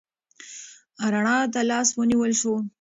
رڼا ته لاس ونیول شو.